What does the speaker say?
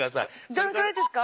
どんくらいですか？